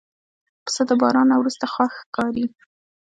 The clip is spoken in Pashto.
پسه د باران نه وروسته خوښ ښکاري.